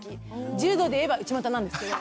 柔道で言えば内股なんですけど。